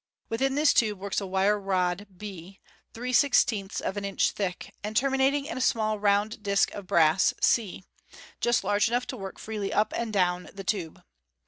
Within this tube works a wire rod, b, three sixteenths of an inch thick, and terminating in a small round disc of brass c, just large enough to work freely up and down the tube.